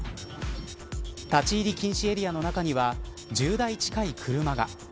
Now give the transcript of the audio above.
立ち入り禁止エリアの中には１０台近い車が。